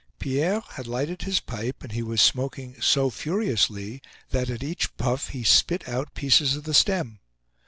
Pierre had lighted his pipe, and he was smoking so furiously that, at each puff, he spit out pieces of the stem.